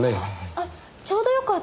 あっちょうどよかった。